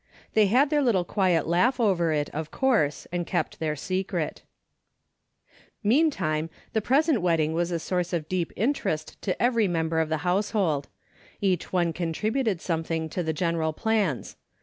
They had their little quiet laugh over it, of course, and kept their secret. Meantime, the present Avedding Avas a source of deep interest to eA^ery member of the household. Each one contributed something to the general plans.